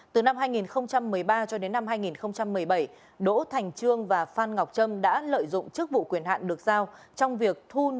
từ năm hai nghìn một mươi ba hai nghìn một mươi bảy đỗ thành trương và phan ngọc trâm đã lợi dụng chức vụ